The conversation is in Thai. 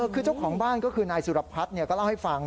คือเจ้าของบ้านก็คือนายสุรพัฒน์ก็เล่าให้ฟัง